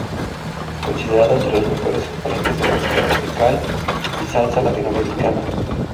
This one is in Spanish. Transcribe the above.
Considerado entre los mejores exponentes de música tropical y salsa latinoamericana.